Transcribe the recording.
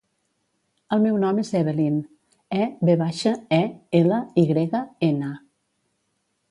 El meu nom és Evelyn: e, ve baixa, e, ela, i grega, ena.